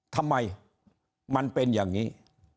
ทำไมมันเป็นอย่างนี้